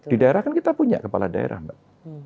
di daerah kan kita punya kepala daerah mbak